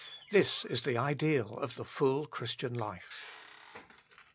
This is the ideal of the full Christian life.